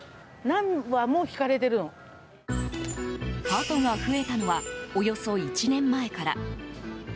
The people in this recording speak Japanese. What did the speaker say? ハトが増えたのはおよそ１年前から。